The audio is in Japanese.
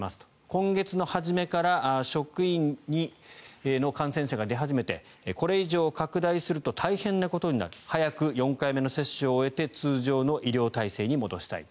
今月の初めから職員の感染者が出始めてこれ以上拡大すると大変なことになる早く４回目の接種を終えて通常の医療体制に戻したい。